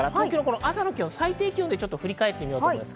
朝の最低気温を振り返ってみたいと思います。